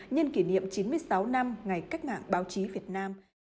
nhân kỷ niệm chín mươi sáu năm ngày cách mạng báo chí việt nam